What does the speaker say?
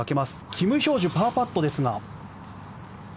キム・ヒョージュパーパットですが。